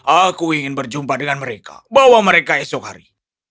aku ingin berjumpa dengan mereka bawa mereka esok hari